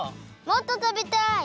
もっとたべたい。